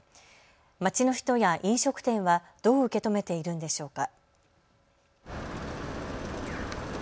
街の人や飲食店はどう受け止めているんでしょうか。